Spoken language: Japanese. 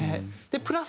プラス